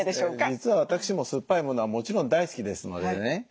実は私も酸っぱいものはもちろん大好きですのでね